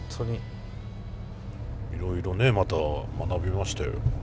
いろいろねまた学びましたよ。